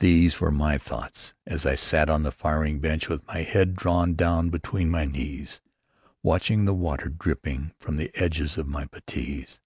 These were my thoughts as I sat on the firing bench with my head drawn down between my knees watching the water dripping from the edges of my puttees.